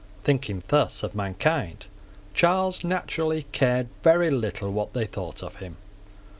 Thinking thus of mankind, Charles naturally cared very little what they thought of him.